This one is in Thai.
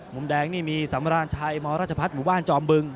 มุมแดงนี่มีสำราญชัยมรัชพัฒน์หมู่บ้านจอมบึง